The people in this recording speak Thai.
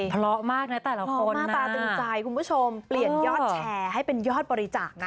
พละละประชัยพละละประชัยคุณผู้ชมเปลี่ยนยอดแชร์ให้เป็นยอดบริจาคนะ